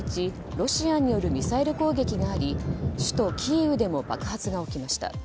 ロシアによるミサイル攻撃があり首都キーウでも爆発が起きました。